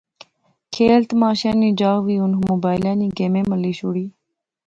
کھیل تماشیاں نی جاغ وی ہُن موبائلے نئیں گیمیں ملی شوڑی